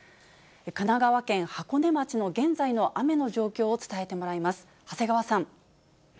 神奈川県箱根町の現在の雨の状況を伝えてもらいます。